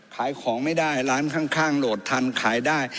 ขายของไม่ได้ร้านข้างโหลดทันขายได้